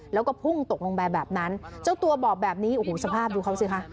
แล้วก็พุ่งตกลงไปแบบนั้นเจ้าตัวบอกแบบนี้โอ้โหสภาพดูเขาสิคะ